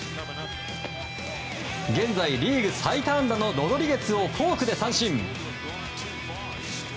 現在、リーグ最多安打のロドリゲスをフォークで三振。